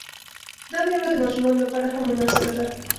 دا میوه د ماشومانو لپاره هم مناسبه ده.